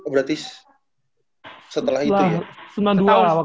berarti setelah itu ya